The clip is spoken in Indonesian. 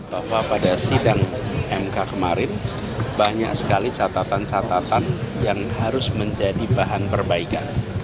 bahwa pada sidang mk kemarin banyak sekali catatan catatan yang harus menjadi bahan perbaikan